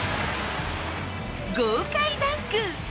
豪快ダンク。